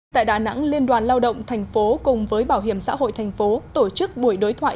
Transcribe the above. tại đà nẵng liên đoàn lao động thành phố cùng với bảo hiểm xã hội thành phố tổ chức buổi đối thoại